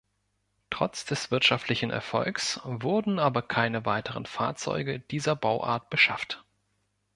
Trotz des wirtschaftlichen Erfolgs wurden aber keine weiteren Fahrzeuge dieser Bauart beschafft.